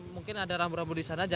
mungkin ada rambu rambu di sana